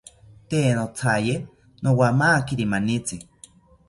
Tee nothaye nowamakiri manitzi